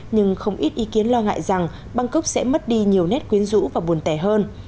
nhưng không ít ý kiến lo ngại rằng bangkok sẽ mất đi nhiều nét quyến rũ và buồn tẻ hơn